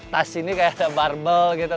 tas ini kayak ada barbel gitu